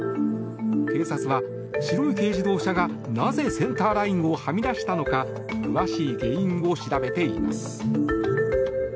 警察は白い軽自動車がなぜセンターラインをはみ出したのか詳しい原因を調べています。